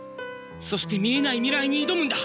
そして見えない未来に挑むんだ！